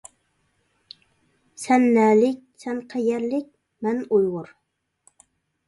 سەن نەلىك؟ سەن قەيەرلىك؟ مەن ئۇيغۇر!